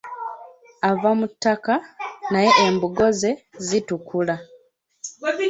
Ava mu ttaka naye embugo ze zitukula.